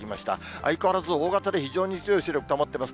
相変わらず大型で非常に強い勢力保ってます。